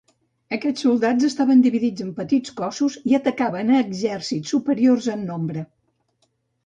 Aquests soldats estaven dividits en petits cossos i atacaven a exèrcits superiors en nombre.